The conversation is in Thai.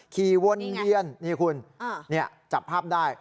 ขี่วนเวียนนี่คุณจับภาพได้